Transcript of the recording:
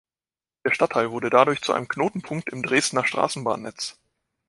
Der Stadtteil wurde dadurch zu einem Knotenpunkt im Dresdner Straßenbahnnetz.